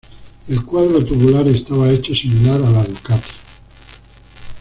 El cuadro tubular estaba hecho similar a la Ducati.